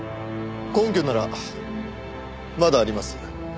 根拠ならまだあります。